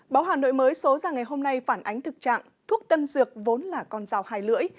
báo hà nội mới số ra ngày hôm nay phản ánh thực trạng thuốc tân dược vốn là con rào hai lưỡi